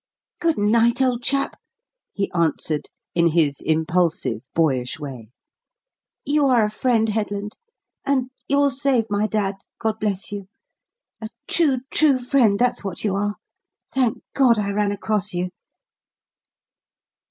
"Good night, old chap!" he answered in his impulsive, boyish way. "You are a friend, Headland. And you'll save my dad, God bless you! A true, true friend that's what you are. Thank God I ran across you."